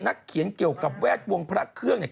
เขียนเกี่ยวกับแวดวงพระเครื่องเนี่ย